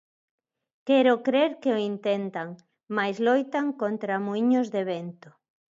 Quero crer que o intentan mais loitan contra muíños de vento.